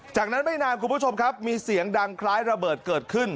จากนั้นไม่นานคุณผู้ชมครับมีเสียงดังคล้ายระเบิดเกิดขึ้น